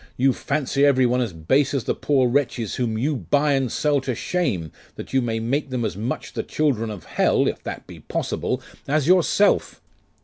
you fancy every one as base as the poor wretches whom you buy and sell to shame, that you may make them as much the children of hell, if that be possible, as yourself!